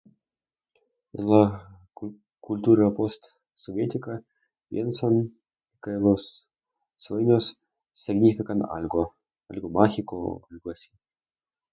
En la cu...cultura...pues... semítica... piensan que los sueños significan algo, algo mágico o algo así.